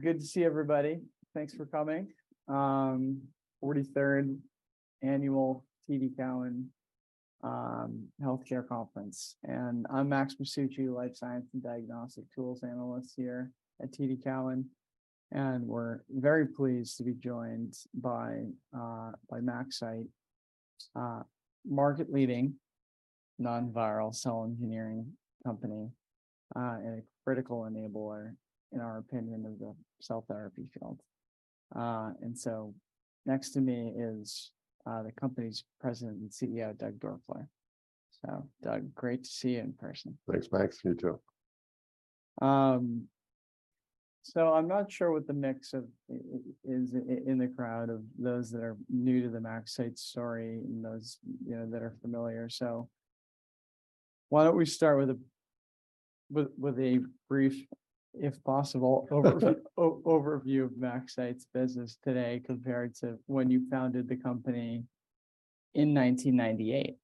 Good to see everybody. Thanks for coming. 43rd Annual TD Cowen Healthcare Conference. I'm Max Masucci, Life Science and Diagnostic Tools Analyst here at TD Cowen, and we're very pleased to be joined by MaxCyte, market-leading non-viral cell engineering company, and a critical enabler, in our opinion, of the cell therapy field. Next to me is the company's President and CEO, Doug Doerfler. Doug, great to see you in person. Thanks, Max. You too. I'm not sure what the mix of is in the crowd of those that are new to the MaxCyte story and those, you know, that are familiar. Why don't we start with a brief, if possible, overview of MaxCyte's business today compared to when you founded the company in 1998.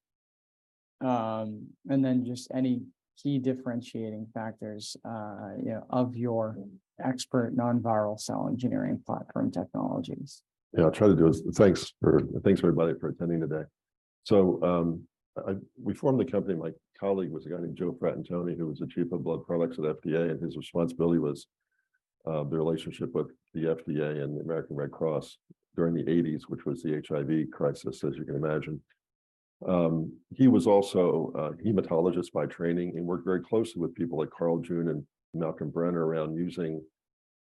Just any key differentiating factors, you know, of your ExPERT non-viral cell engineering platform technologies. Yeah, I'll try to do it. Thanks for, thanks everybody for attending today. We formed the company, my colleague was a guy named Joe Fratantoni, who was the Chief of Blood Products at FDA, and his responsibility was the relationship with the FDA and the American Red Cross during the 1980s, which was the HIV crisis, as you can imagine. He was also a hematologist by training and worked very closely with people like Carl June and Malcolm Brenner around using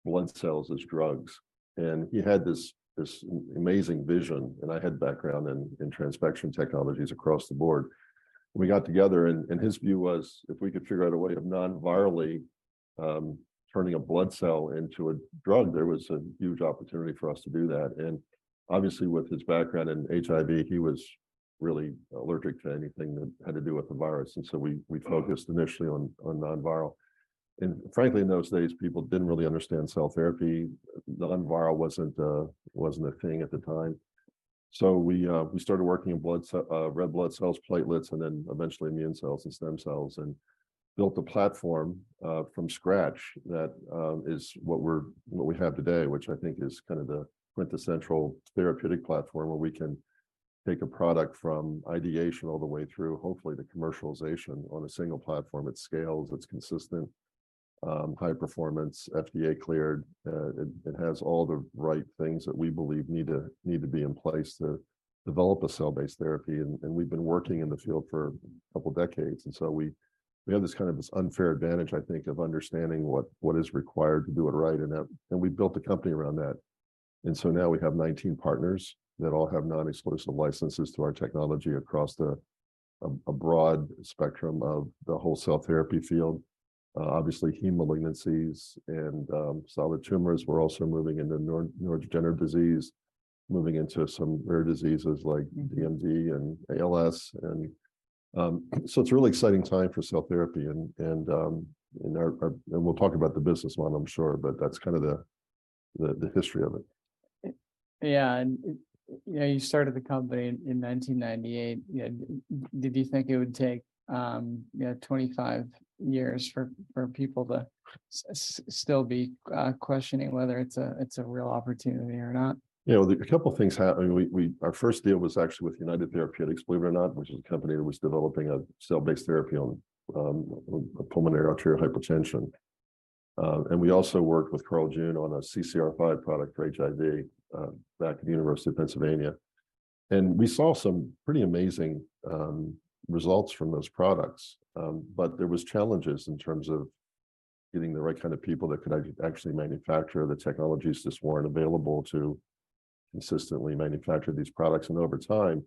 blood cells as drugs. He had this amazing vision, and I had background in transfection technologies across the board. We got together, and his view was if we could figure out a way of non-virally turning a blood cell into a drug, there was a huge opportunity for us to do that. Obviously, with his background in HIV, he was really allergic to anything that had to do with the virus. We focused initially on non-viral. Frankly, in those days, people didn't really understand cell therapy. Non-viral wasn't a thing at the time. We started working in red blood cells, platelets, and then eventually immune cells and stem cells, and built a platform from scratch. That is what we have today, which I think is kind of the quintessential therapeutic platform where we can take a product from ideation all the way through, hopefully, to commercialization on a single platform. It scales, it's consistent, high performance, FDA cleared, it has all the right things that we believe need to be in place to develop a cell-based therapy. We've been working in the field for a couple decades. We have this kind of this unfair advantage, I think, of understanding what is required to do it right, and we built the company around that. Now we have 19 partners that all have non-exclusive licenses to our technology across a broad spectrum of the whole cell therapy field. Obviously hematologic malignancies and solid tumors. We're also moving into neurodegenerative disease, moving into some rare diseases like DMD and ALS. So it's a really exciting time for cell therapy and our—we'll talk about the business model, I'm sure, but that's kind of the, the history of it. Yeah. You know, you started the company in 1998. Did you think it would take, you know, 25 years for people to still be questioning whether it's a real opportunity or not? You know, a couple things happened. Our first deal was actually with United Therapeutics, believe it or not, which is a company that was developing a cell-based therapy on pulmonary arterial hypertension. We also worked with Carl June on a CCR5 product for HIV back at the University of Pennsylvania. We saw some pretty amazing results from those products. There was challenges in terms of getting the right kind of people that could actually manufacture the technologies. Just weren't available to consistently manufacture these products. Over time,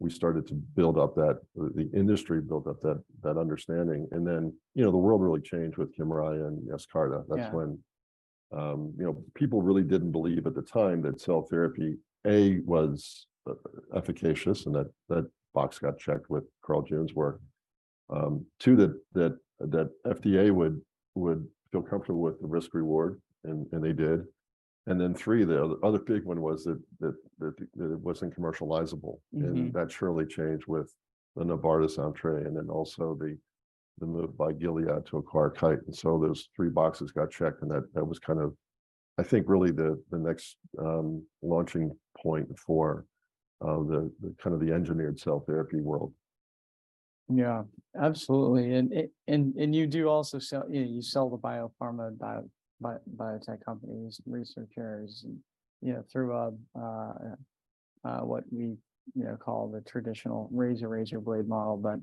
we started to build up that the industry built up that understanding. Then, you know, the world really changed with KYMRIAH and YESCARTA. Yeah. That's when, you know, people really didn't believe at the time that cell therapy, A, was efficacious, and that box got checked with Carl June's work. Two, that FDA would feel comfortable with the risk-reward, and they did. Three, the other big one was that it wasn't commercializable. Mm-hmm. That surely changed with the Novartis' entree, and then also the move by Gilead to acquire Kite. So those three boxes got checked, and that was kind of, I think, really the next launching point for the kind of the engineered cell therapy world. Yeah. Absolutely. You do also sell. You know, you sell to biopharma, biotech companies, researchers, and, you know, through, what we, you know, call the traditional razor-razorblade model.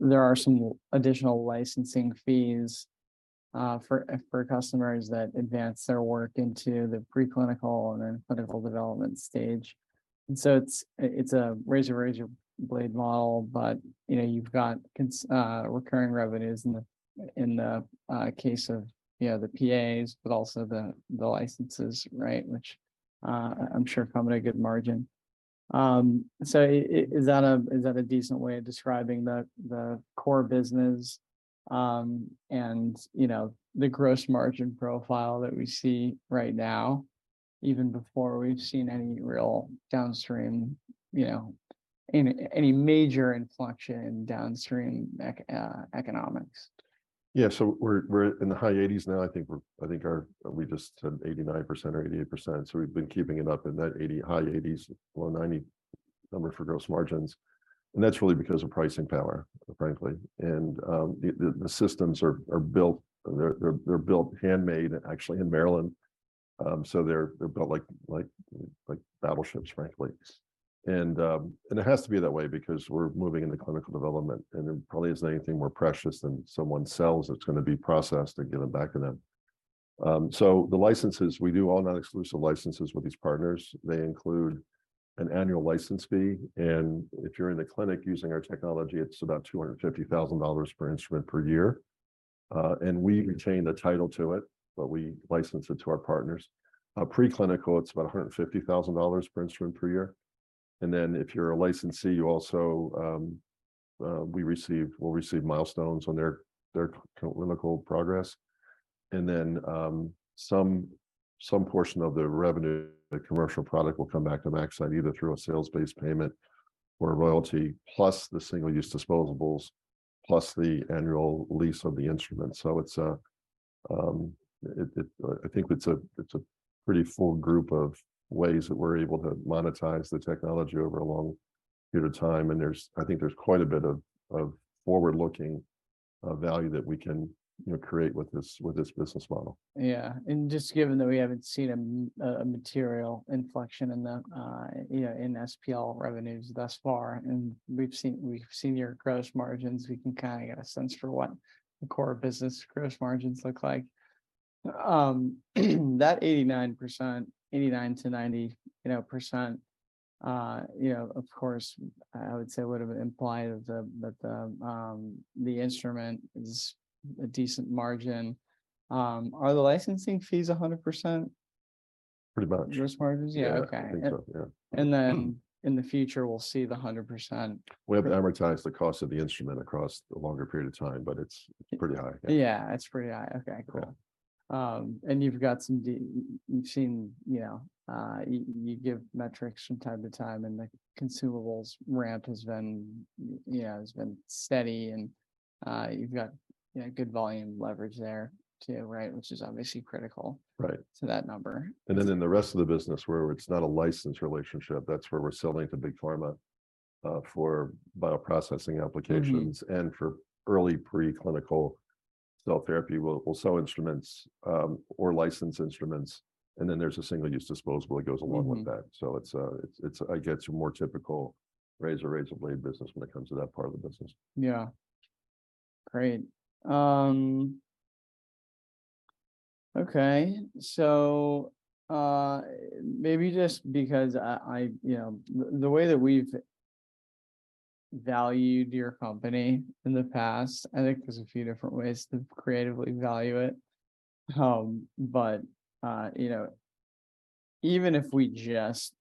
There are some additional licensing fees for customers that advance their work into the preclinical and then clinical development stage. It's a razor-razorblade model, but, you know, you've got recurring revenues in the case of, you know, the PAs, but also the licenses, right, which I'm sure come at a good margin. Is that a decent way of describing the core business, and, you know, the gross margin profile that we see right now? Even before we've seen any real downstream, you know, any major inflection in downstream economics We're in the high-80s now. We just said 89% or 88%, we've been keeping it up in that 80%, high-80s, low-90 number for gross margins, and that's really because of pricing power, frankly. The systems are built, they're built handmade actually in Maryland, so they're built like battleships frankly. It has to be that way because we're moving into clinical development, and there probably isn't anything more precious than someone's cells that's gonna be processed and given back to them. The licenses, we do all non-exclusive licenses with these partners. They include an annual license fee, and if you're in the clinic using our technology, it's about $250,000 per instrument per year. We retain the title to it, but we license it to our partners. Preclinical, it's about $150,000 per instrument per year. If you're a licensee, you also, we'll receive milestones on their clinical progress. Some portion of the revenue of the commercial product will come back to MaxCyte either through a sales-based payment or a royalty, plus the single-use disposables, plus the annual lease of the instrument. It's, I think it's a pretty full group of ways that we're able to monetize the technology over a long period of time, and I think there's quite a bit of forward-looking value that we can, you know, create with this, with this business model. Yeah. Just given that we haven't seen a material inflection in the, you know, in SPL revenues thus far, we've seen your gross margins, we can kind of get a sense for what the core business gross margins look like. That 89%, 89%-90%, you know, of course I would say would've implied that the instrument is a decent margin. Are the licensing fees 100%— Pretty much. —gross margins? Yeah. Okay. I think so, yeah. In the future we'll see the 100%? We have to amortize the cost of the instrument across a longer period of time, but it's pretty high. Yeah, it's pretty high. Okay, cool. You've seen, you know, you give metrics from time to time, and the consumables ramp has been, you know, has been steady, and you've got, you know, good volume leverage there too, right? Which is obviously critical— Right. —to that number. In the rest of the business where it's not a licensed relationship, that's where we're selling to big pharma, for bioprocessing applications. Mm-hmm. For early pre-clinical cell therapy, we'll sell instruments, or license instruments, and then there's a single-use disposable that goes along with that. Mm-hmm. It gets more typical razor-razorblade business when it comes to that part of the business. Yeah. Great. Okay. Maybe just because I, you know—the way that we've valued your company in the past, I think there's a few different ways to creatively value it. You know, even if we just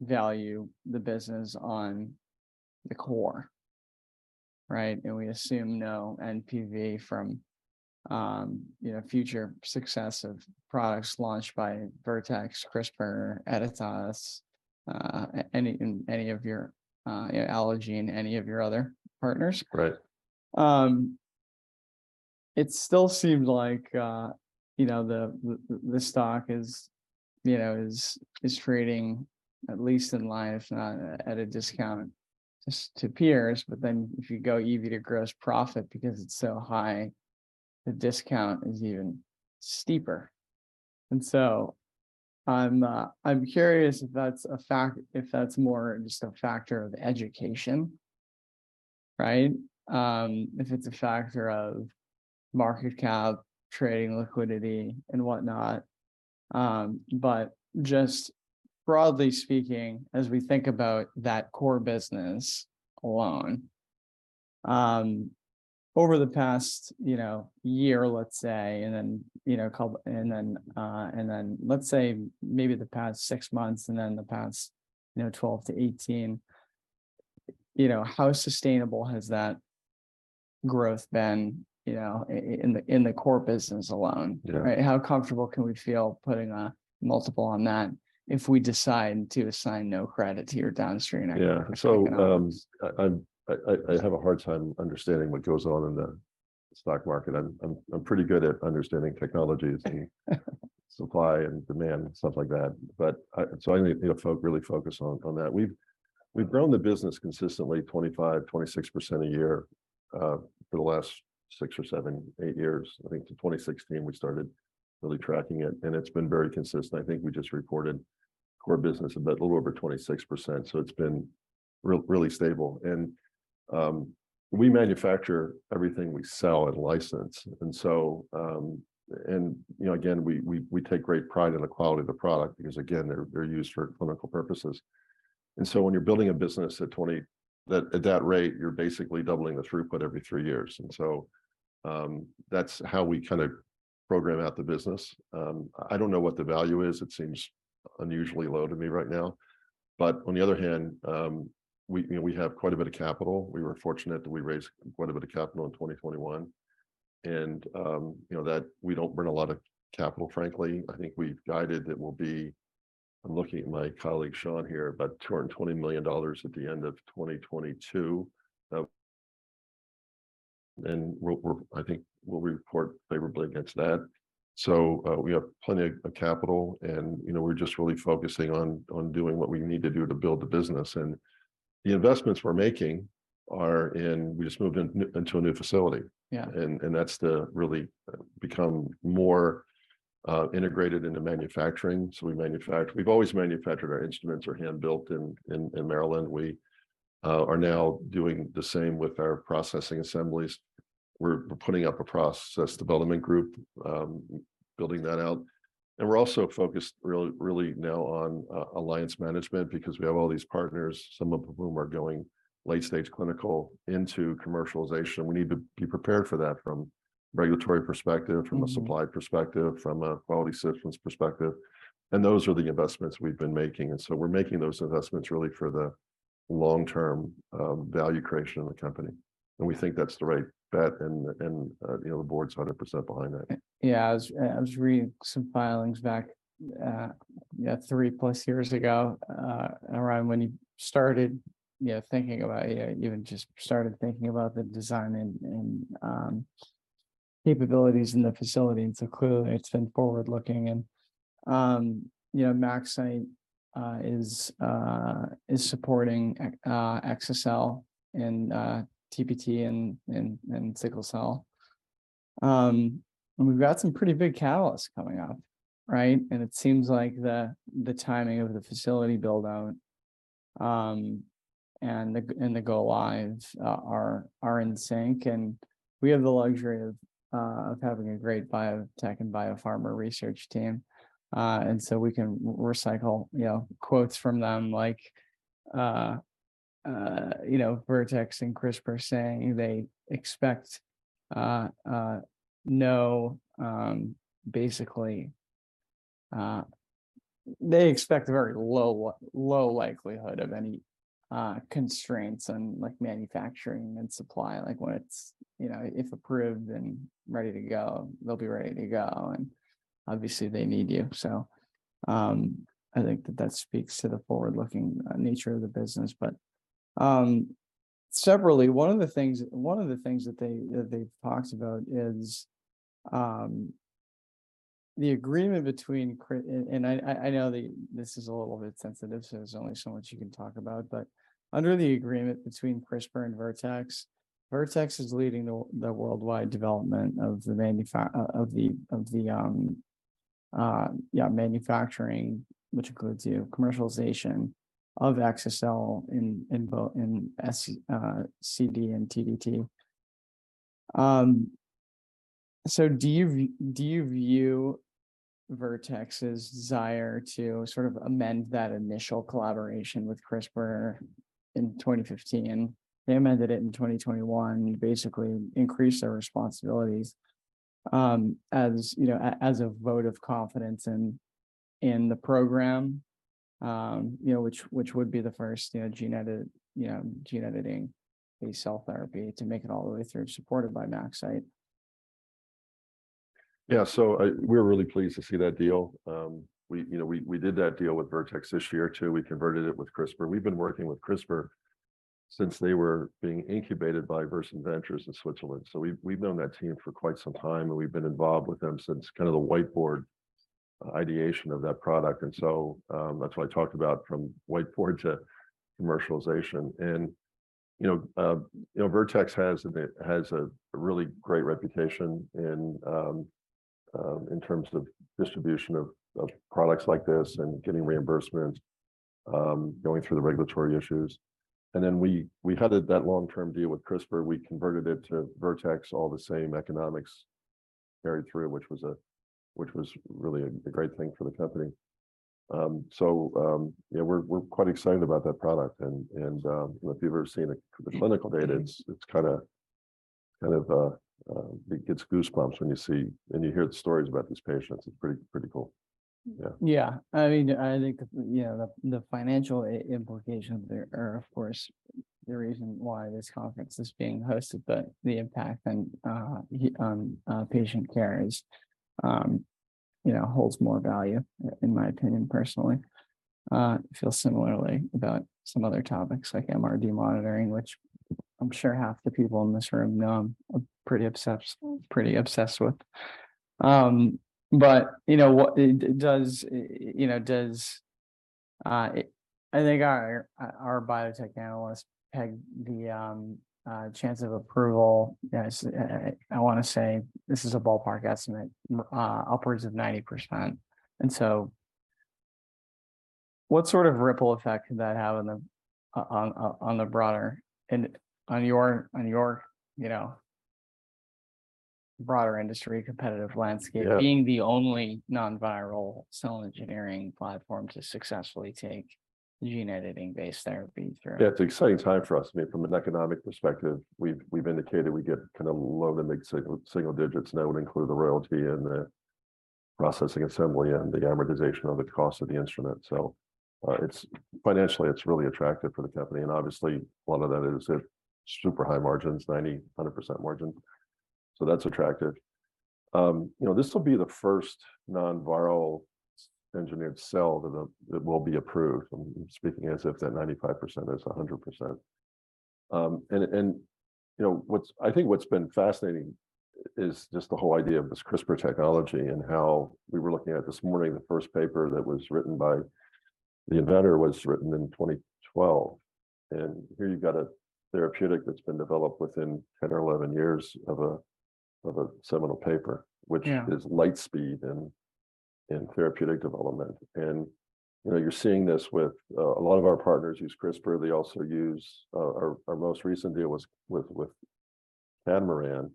value the business on the core, right? We assume no NPV from, you know, future success of products launched by Vertex, CRISPR, Editas, any of your, you know, Allogene, any of your other partners. Right. It still seems like, you know, the stock is, you know, trading at least in life, not at a discount just to peers. If you go EV to gross profit, because it's so high, the discount is even steeper. I'm curious if that's a fact, if that's more just a factor of education, right? If it's a factor of market cap, trading liquidity, and whatnot. But just broadly speaking, as we think about that core business alone, over the past, you know, year, let's say, and then, you know, couple. And then let's say maybe the past six months, and then the past, you know, 12 to 18, you know, how sustainable has that growth been, you know, in the core business alone? Yeah. Right? How comfortable can we feel putting a multiple on that if we decide to assign no credit to your downstream— Yeah. —activity? I have a hard time understanding what goes on in the stock market. I'm pretty good at understanding technologies and supply and demand, stuff like that. I need to, you know, really focus on that. We've grown the business consistently 25%, 26% a year for the last six or seven, eight years. I think to 2016 we started really tracking it, and it's been very consistent. I think we just reported core business a little over 26%, so it's been really stable. We manufacture everything we sell and license. You know, again, we take great pride in the quality of the product because, again, they're used for clinical purposes. When you're building a business at 20, at that rate, you're basically doubling the throughput every three years. That's how we kinda program out the business. I don't know what the value is. It seems unusually low to me right now. On the other hand, you know, we have quite a bit of capital. We were fortunate that we raised quite a bit of capital in 2021. You know, that we don't burn a lot of capital, frankly. I think we've guided I'm looking at my colleague Sean here, about $220 million at the end of 2022. I think we'll report favorably against that. We have plenty of capital and, you know, we're just really focusing on doing what we need to do to build the business. The investments we're making are in. We just moved into a new facility. Yeah. That's to really become more integrated into manufacturing. We've always manufactured. Our instruments are hand-built in Maryland. We are now doing the same with our Processing Assemblies. We're putting up a process development group, building that out. We're also focused really now on alliance management because we have all these partners, some of whom are going late-stage clinical into commercialization. We need to be prepared for that from regulatory perspective— Mm-hmm. —from a supply perspective, from a quality systems perspective. Those are the investments we've been making. We're making those investments really for the long-term value creation of the company, and we think that's the right bet and, you know, the board's 100% behind that. Yeah. I was reading some filings back, yeah, 3+ years ago, around when you started, you know, thinking about, you know, you had just started thinking about the design and capabilities in the facility. Clearly it's been forward-looking and, you know, MaxCyte is supporting exa-cel and TDT and sickle cell. We've got some pretty big catalysts coming up, right? It seems like the timing of the facility build-out and the go lives are in sync. We have the luxury of having a great biotech and biopharma research team. And so we can recycle, you know, quotes from them like, you know, Vertex and CRISPR saying they expect, no, basically—they expect a very low likelihood of any constraints on like manufacturing and supply, like when it's, you know, if approved and ready to go, they'll be ready to go. Obviously, they need you. I think that that speaks to the forward-looking nature of the business. Severally, one of the things that they've talked about is the agreement between I know that this is a little bit sensitive, so there's only so much you can talk about. Under the agreement between CRISPR and Vertex is leading the worldwide development of the manufacturing, which includes, you know, commercialization of exa-cel in SCD and TDT. Do you view Vertex's desire to sort of amend that initial collaboration with CRISPR in 2015, they amended it in 2021, basically increased their responsibilities, as, you know, as a vote of confidence in the program, you know, which would be the first, you know, gene edit, you know, gene editing-based cell therapy to make it all the way through supported by MaxCyte? We're really pleased to see that deal. We, you know, we did that deal with Vertex this year too. We converted it with CRISPR. We've been working with CRISPR since they were being incubated by Versant Ventures in Switzerland. We've known that team for quite some time, and we've been involved with them since kind of the whiteboard ideation of that product. That's why I talked about from whiteboard to commercialization. You know, Vertex has a really great reputation in terms of distribution of products like this and getting reimbursement, going through the regulatory issues. We headed that long-term deal with CRISPR. We converted it to Vertex, all the same economics carried through, which was really a great thing for the company. Yeah, we're quite excited about that product. If you've ever seen the clinical data— Mm-hmm. —it's kind of, it gets goosebumps when you see and you hear the stories about these patients. It's pretty cool. Yeah. Yeah. I mean, I think, you know, the financial implications there are, of course, the reason why this conference is being hosted, but the impact on patient care is, you know, holds more value, in my opinion, personally. I feel similarly about some other topics like MRD monitoring, which I'm sure half the people in this room know I'm pretty obsessed with. You know what, it does, you know, does, I think our biotech analysts peg the chance of approval as I wanna say this is a ballpark estimate, upwards of 90%. What sort of ripple effect could that have on the broader and on your, you know, broader industry competitive landscape. Yeah. —being the only non-viral cell engineering platform to successfully take gene editing-based therapy through? Yeah, it's an exciting time for us. I mean, from an economic perspective, we've indicated we get kind of low to mid single digits now when including the royalty and the Processing Assembly and the amortization of the cost of the instrument. Financially, it's really attractive for the company, and obviously one of that is a super high margins, 90%, 100% margin. That's attractive. You know, this will be the first non-viral engineered cell that will be approved. I'm speaking as if that 95% is 100%. You know, what's been fascinating is just the whole idea of this CRISPR technology and how we were looking at this morning, the first paper that was written by the inventor was written in 2012. Here you've got a therapeutic that's been developed within 10 or 11 years of a, of a seminal paper— Yeah. —which is light speed in therapeutic development. You know, you're seeing this with a lot of our partners use CRISPR. They also use, our most recent deal was with Catamaran,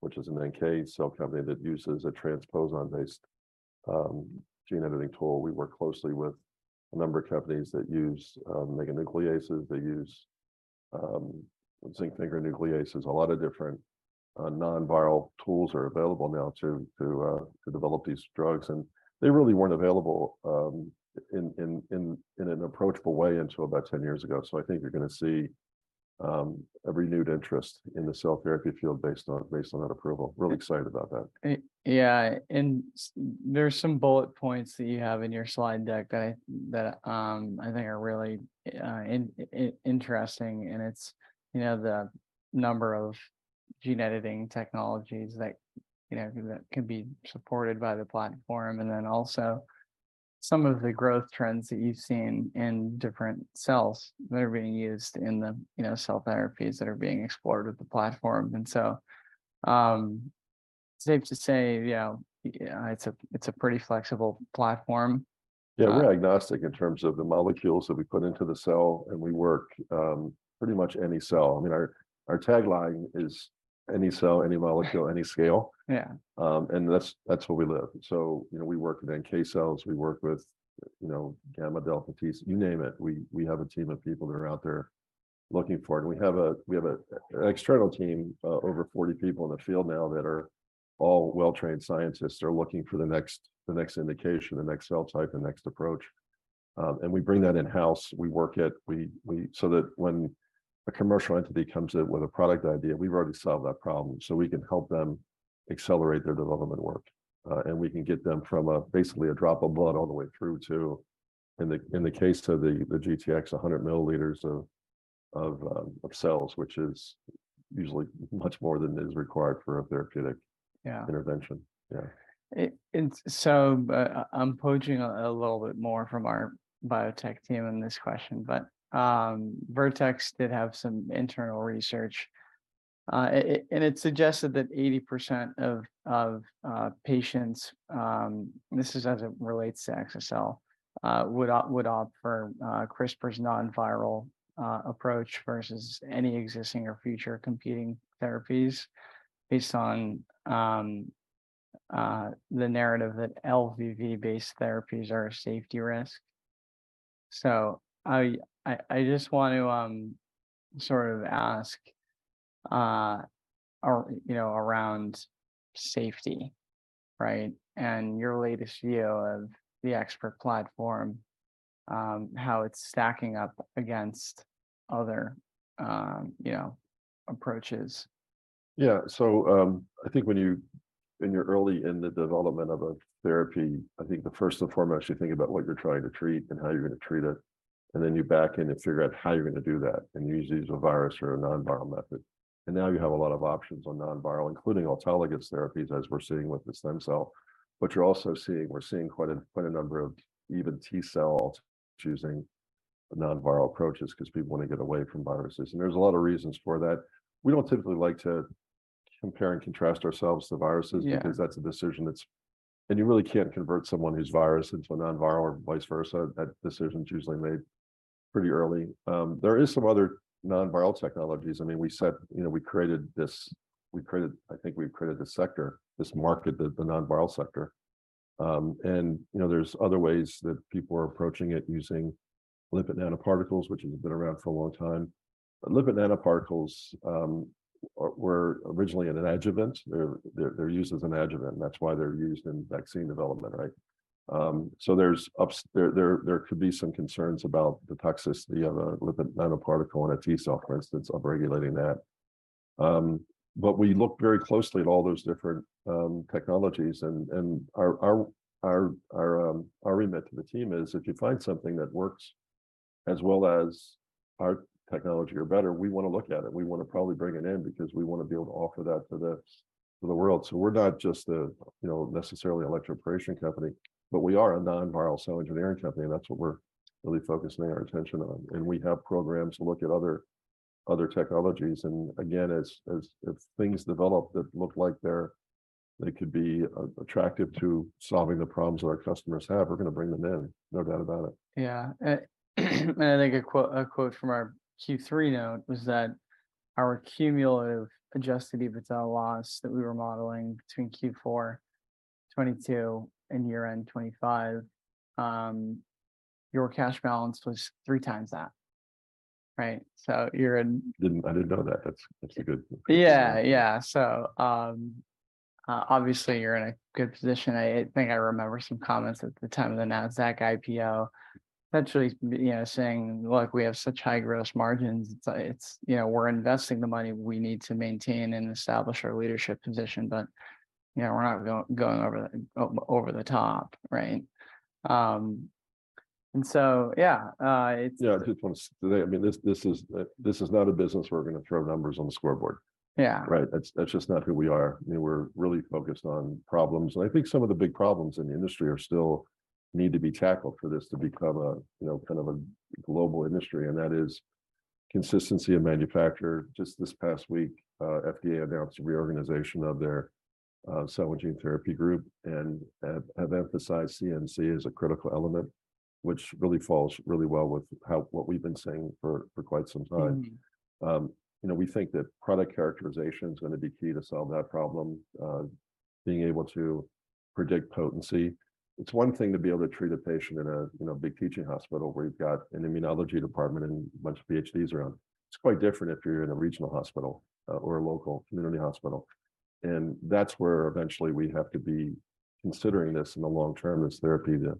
which is an NK cell company that uses a transposon-based gene editing tool. We work closely with a number of companies that use meganucleases. They use zinc finger nucleases. A lot of different non-viral tools are available now to develop these drugs. They really weren't available in an approachable way until about 10 years ago. I think you're gonna see a renewed interest in the cell therapy field based on that approval. Really excited about that. Yeah, and there are some bullet points that you have in your slide deck that I think are really interesting, and it's, you know, the number of gene editing technologies that, you know, that can be supported by the platform, and then also some of the growth trends that you've seen in different cells that are being used in the, you know, cell therapies that are being explored with the platform. Safe to say, yeah, it's a pretty flexible platform. Yeah, we're agnostic in terms of the molecules that we put into the cell, and we work, pretty much any cell. I mean, our tagline is, "Any cell, any molecule, any scale." Yeah. That's, that's where we live. You know, we work with NK cells, we work with, you know, gamma delta T's, you name it, we have a team of people that are out there looking for it. We have a, we have an external team, over 40 people in the field now that are all well-trained scientists, are looking for the next, the next indication, the next cell type, the next approach. We bring that in-house. We work it. We. So that when a commercial entity comes in with a product idea, we've already solved that problem, so we can help them accelerate their development work. We can get them from a basically a drop of blood all the way through to, in the case of the GTx, 100 mL of cells, which is usually much more than is required for a therapeutic— Yeah. —intervention. Yeah. I'm poaching a little bit more from our biotech team in this question, but Vertex did have some internal research. It suggested that 80% of patients, this is as it relates to exa-cel, would opt for CRISPR's non-viral approach versus any existing or future competing therapies based on the narrative that LVV-based therapies are a safety risk. I just want to sort of ask, you know, around safety, right? And your latest view of the ExPERT platform, how it's stacking up against other, you know, approaches. Yeah. I think when you're early in the development of a therapy, I think the first and foremost, you're thinking about what you're trying to treat and how you're gonna treat it. Then you back in and figure out how you're gonna do that, and usually it's a virus or a non-viral method. Now you have a lot of options on non-viral, including autologous therapies, as we're seeing with the stem cell. You're also seeing, we're seeing quite a number of even T-cell choosing non-viral approaches 'cause people wanna get away from viruses, and there's a lot of reasons for that. We don't typically like to compare and contrast ourselves to viruses— Yeah. —because that's a decision. You really can't convert someone who's virus into a non-viral or vice versa. That decision's usually made pretty early. There is some other non-viral technologies. I mean, you know, I think we created this sector, this market, the non-viral sector. You know, there's other ways that people are approaching it using lipid nanoparticles, which has been around for a long time. Lipid nanoparticles were originally an adjuvant. They're used as an adjuvant, and that's why they're used in vaccine development, right? There could be some concerns about the toxicity of a lipid nanoparticle in a T cell, for instance, of regulating that. We look very closely at all those different technologies, and our remit to the team is if you find something that works as well as our technology or better, we wanna look at it. We wanna probably bring it in because we wanna be able to offer that to the world. We're not just a, you know, necessarily electroporation company, but we are a non-viral cell engineering company, and that's what we're really focusing our attention on. We have programs to look at other technologies. Again, as things develop that look like they could be attractive to solving the problems that our customers have, we're gonna bring them in, no doubt about it. Yeah. I think a quote from our Q3 note was that our cumulative adjusted EBITDA loss that we were modeling between Q4 2022 and year-end 2025, your cash balance was three times that. Right. You're in. I didn't know that. That's a good. Yeah. Yeah. Obviously you're in a good position. I think I remember some comments at the time of the Nasdaq IPO, essentially, you know, saying, "Look, we have such high gross margins, it's, you know, we're investing the money we need to maintain and establish our leadership position. You know, we're not going over the, over the top," right? Yeah, it's— I just want to say, I mean, this is not a business where we're gonna throw numbers on the scoreboard. Yeah. Right? That's just not who we are. You know, we're really focused on problems. I think some of the big problems in the industry are still need to be tackled for this to become a, you know, kind of a global industry, and that is consistency of manufacture. Just this past week, FDA announced a reorganization of their cell and gene therapy group, and have emphasized CMC as a critical element, which really falls really well with how, what we've been saying for quite some time. Mm-hmm. You know, we think that product characterization's gonna be key to solve that problem, being able to predict potency. It's one thing to be able to treat a patient in a, you know, big teaching hospital, where you've got an immunology department and a bunch of PhDs around. It's quite different if you're in a regional hospital, or a local community hospital. That's where eventually we have to be considering this in the long term as therapy to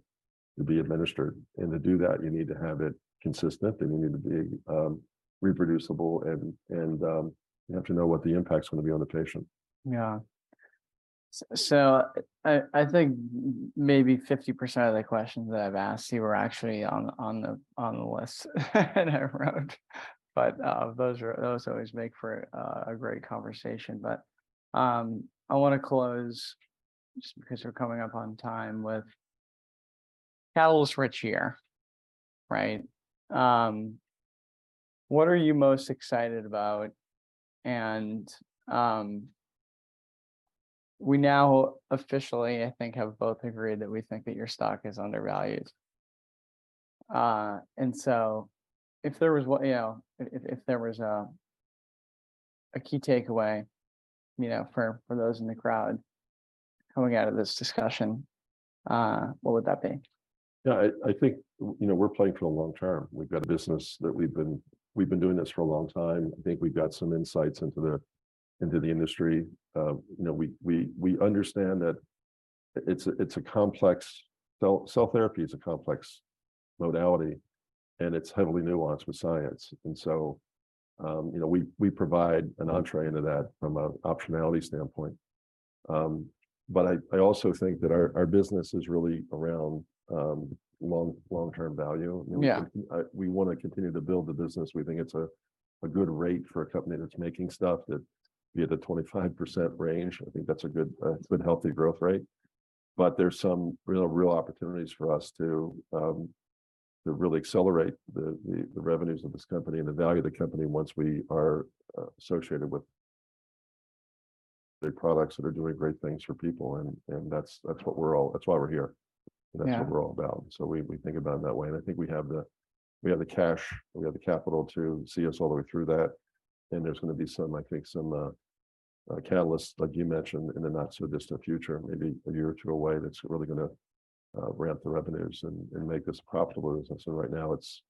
be administered. To do that, you need to have it consistent, and you need to be reproducible, and you have to know what the impact's gonna be on the patient. I think maybe 50% of the questions that I've asked you were actually on the list that I wrote. Those always make for a great conversation. I want to close, just because we're coming up on time, with Catalyst-Rich here, right? What are you most excited about? We now officially I think have both agreed that we think that your stock is undervalued. If there was you know, if there was a key takeaway, you know, for those in the crowd coming out of this discussion, what would that be? Yeah. I think, you know, we're playing for the long term. We've got a business that we've been doing this for a long time. I think we've got some insights into the industry. you know, we understand that it's a complex cell therapy modality, and it's heavily nuanced with science. you know, we provide an entrée into that from a optionality standpoint. I also think that our business is really around long-term value. Yeah. You know, we wanna continue to build the business. We think it's a good rate for a company that's making stuff that, you know, the 25% range, I think that's a good, healthy growth rate. There's some real opportunities for us to really accelerate the revenues of this company and the value of the company once we are associated with the products that are doing great things for people. That's what we're all—that's why we're here. Yeah. That's what we're all about. We think about it that way. I think we have the cash and we have the capital to see us all the way through that, and there's gonna be some, I think, some catalysts, like you mentioned, in the not-so-distant future, maybe a year or two away, that's really gonna ramp the revenues and make us profitable. As I said, right now, it's,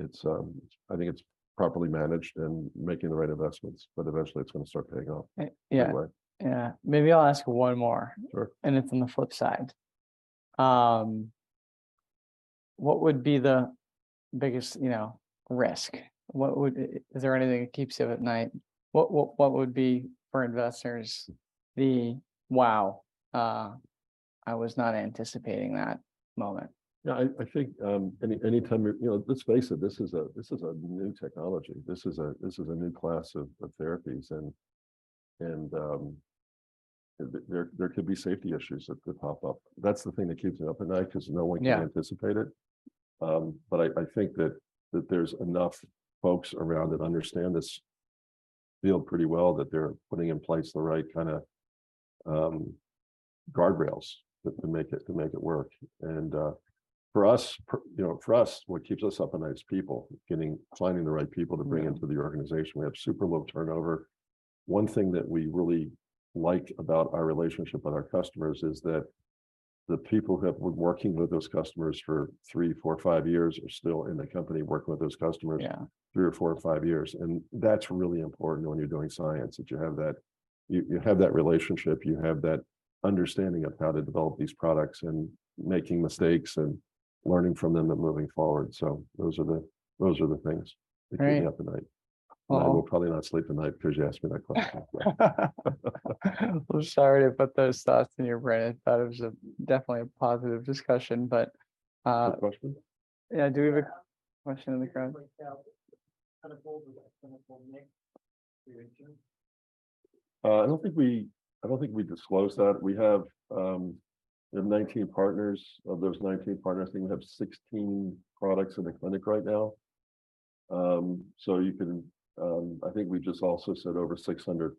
I think it's properly managed and making the right investments, but eventually it's gonna start paying off— Yeah. —either way. Yeah. Maybe I'll ask one more. Sure. It's on the flip side. What would be the biggest, you know, risk? Is there anything that keeps you up at night? What would be, for investors, the, "Wow, I was not anticipating that" moment? Yeah. I think, anytime, you know, let's face it, this is a new technology. This is a new class of therapies, and there could be safety issues that could pop up. That's the thing that keeps me up at night, 'cause no one— Yeah. —can anticipate it. But I think that there's enough folks around that understand this field pretty well, that they're putting in place the right kinda guardrails that could make it work. For us you know, for us, what keeps us up at night is people, getting, finding the right people to bring into the organization. We have super low turnover. One thing that we really like about our relationship with our customers is that the people that were working with those customers for three, four, five years are still in the company working with those customers— Yeah. —three or four or five years. That's really important when you're doing science, that you have that relationship. You have that understanding of how to develop these products, and making mistakes, and learning from them and moving forward. Those are the things— Great. —that keep me up at night. Well— I will probably not sleep tonight because you asked me that question. I'm sorry to put those thoughts in your brain. I thought it was a definitely a positive discussion. Good question. Yeah, do we have a question in the crowd? Yeah. How do you break down the clinical next generation? I don't think we disclose that. We have 19 partners. Of those 19 partners, I think we have 16 products in the clinic right now. You can—I think we just also said over 600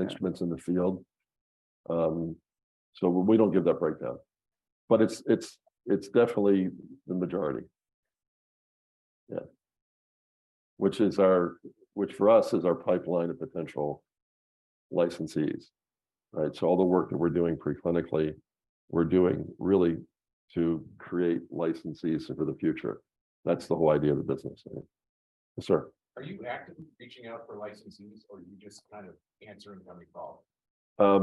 instruments in the field. We don't give that breakdown. It's definitely the majority. Yeah. Which for us is our pipeline of potential licensees, right? All the work that we're doing pre-clinically, we're doing really to create licensees for the future. That's the whole idea of the business. Yes, sir. Are you actively reaching out for licensees, or are you just kind of answering the recall?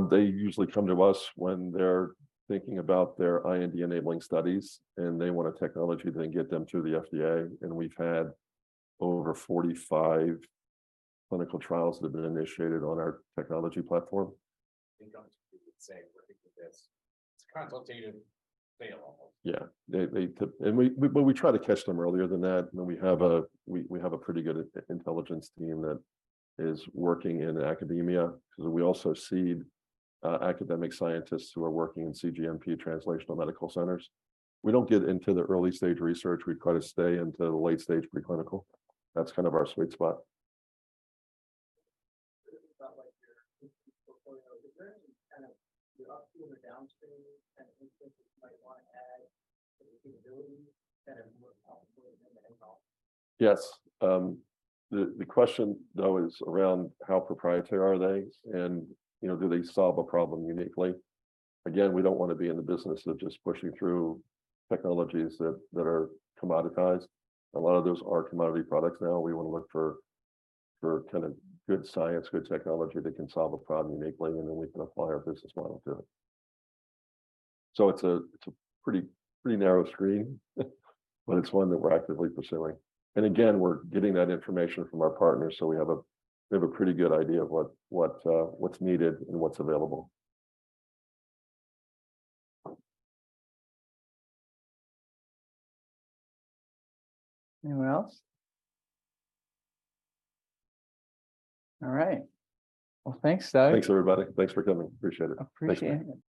They usually come to us when they're thinking about their IND-enabling studies, and they want a technology that can get them through the FDA. We've had over 45 clinical trials that have been initiated on our technology platform. I think honestly we would say we're looking at this. It's a consultative sale almost. Yeah. They try to catch them earlier than that, and we have a pretty good intelligence team that is working in academia, 'cause we also seed academic scientists who are working in CGMP translational medical centers. We don't get into the early-stage research. We try to stay into the late-stage pre-clinical. That's kind of our sweet spot. It's not like your portfolio. Is there any kind of upstream or downstream kind of instances you might wanna add capabilities that are more powerful than the end-all? Yes. The question, though, is around how proprietary are they, and, you know, do they solve a problem uniquely? Again, we don't wanna be in the business of just pushing through technologies that are commoditized. A lot of those are commodity products now. We wanna look for kind of good science, good technology that can solve a problem uniquely, and then we can apply our business model to it. It's a pretty narrow screen, but it's one that we're actively pursuing. Again, we're getting that information from our partners, so we have a pretty good idea of what's needed and what's available. Anyone else? All right. Well, thanks, Doug. Thanks, everybody. Thanks for coming. Appreciate it. Appreciate it.